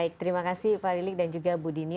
baik terima kasih pak lilik dan juga bu dini